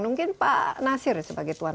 mungkin pak nasir sebagai tuan